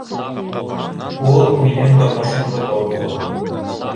Ул минең тормошомдо боҙҙо